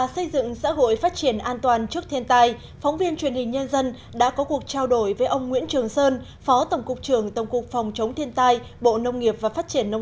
xin chào ông đầu tiên xin cảm ơn ông đã dành thời gian trở lại phỏng viên truyền hình nhân dân